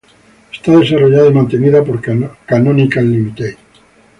Está desarrollada y mantenida por Canonical Ltd.